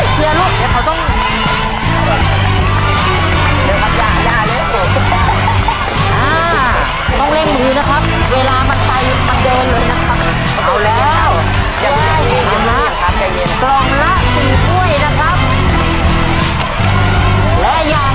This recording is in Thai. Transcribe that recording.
เชียนล่ะลูกเชียนด้วยตั๊ยเชียนลูกเดี๋ยวเขาต้อง